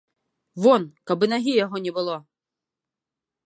Вон, каб і нагі яго не было!